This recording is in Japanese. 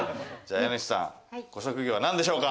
家主さん、ご職業なんでしょうか？